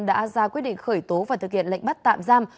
đã ra quyết định khởi tố và thực hiện lệnh bắt tạm giam